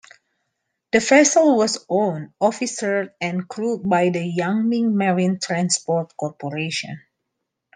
The vessel was owned, officered and crewed by the Yang Ming Marine Transport Corporation.